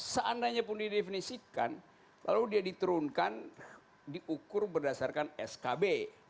seandainya pun didefinisikan lalu dia diturunkan diukur berdasarkan skb